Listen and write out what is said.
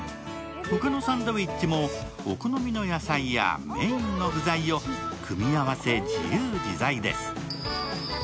ほかのサンドイッチもお好みの野菜やメインの具材を組み合わせ自由自在です。